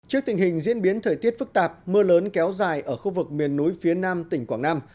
trước tình hình diễn biến thời tiết phức tạp mưa lớn kéo dài ở khu vực miền núi phía nam tỉnh quảng nam